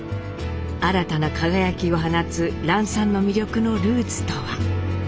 新たな輝きを放つ蘭さんの魅力のルーツとは？